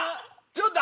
ちょっと。